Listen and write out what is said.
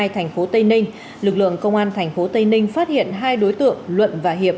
thành phố tây ninh lực lượng công an tp tây ninh phát hiện hai đối tượng luận và hiệp